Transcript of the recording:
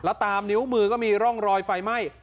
แล้วตามนิ้วมือก็มีร่องรอยไฟไหม้